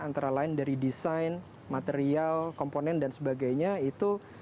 antara lain dari desain material komponen dan sebagainya itu